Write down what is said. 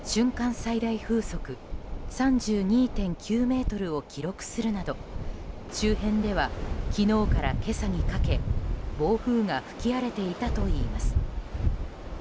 最大風速３２．９メートルを記録するなど周辺では、昨日から今朝にかけ暴風が吹き荒れていたといいます。